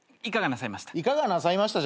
いかがなさいました？